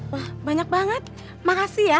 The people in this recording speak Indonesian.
wah banyak banget makasih ya